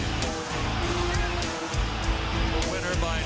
นาฬิกา๓๒นาที